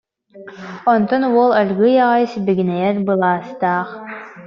Онтон уол аргыый аҕай сибигинэйэр былаастаах: